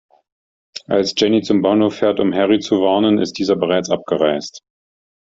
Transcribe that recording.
Als Jenny zum Bahnhof fährt, um Harry zu warnen, ist dieser bereits abgereist.